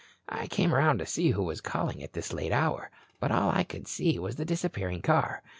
I came around to see who was calling at this late hour, but all I could see was the disappearing car.